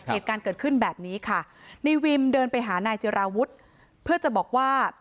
เหตุการณ์เกิดขึ้นแบบนี้ค่ะในวิมเดินไปหานายจิราวุฒิเพื่อจะบอกว่า